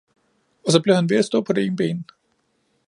og så blev han ved at stå på det ene ben.